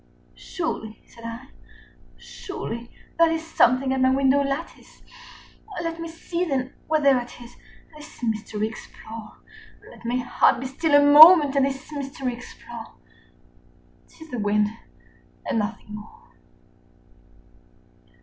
"Surely," said I, "surely that is something at my window lattice; Let me see, then, what thereat is, and this mystery explore; Let my heart be still a moment and this mystery explore: 35 'T is the wind and nothing more."